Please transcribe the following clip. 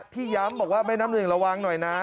ที่ย้ำบอกว่าแม่น้ำหนึ่งระวังหน่อยนะ